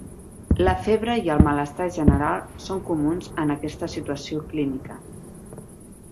La febre i el malestar general són comuns en aquesta situació clínica.